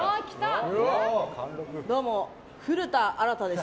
どうも、古田新太です。